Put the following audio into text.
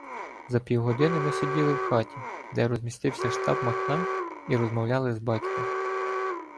За півгодини ми сиділи в хаті, де розмістився штаб Махна, і розмовляли з "батьком”.